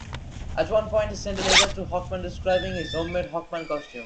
At one point he sent a letter to Hawkman describing his home-made "Hawkman" costume.